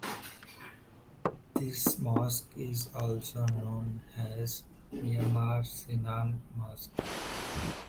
This mosque is also known as Mimar Sinan Mosque.